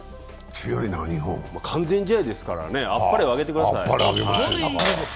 完全試合ですから、あっぱれ！をあげてください。